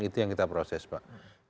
itu yang kita proses pak